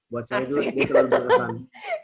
buat saya juga dia selalu berkesan